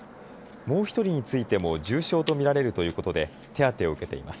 もう１人についても重傷と見られるということで手当てを受けています。